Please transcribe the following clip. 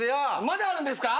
まだあるんですか？